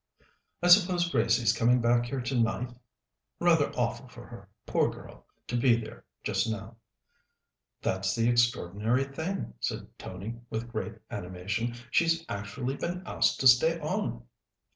"I suppose Gracie's coming back here tonight? Rather awful for her, poor girl, to be there just now." "That's the extraordinary thing," said Tony with great animation. "She's actually been asked to stay on."